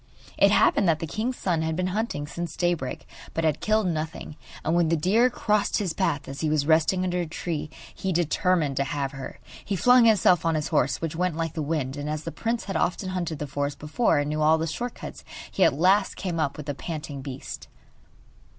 It happened that the king's son had been hunting since daybreak, but had killed nothing, and when the deer crossed his path as he was resting under a tree he determined to have her. He flung himself on his horse, which went like the wind, and as the prince had often hunted the forest before, and knew all the short cuts, he at last came up with the panting beast.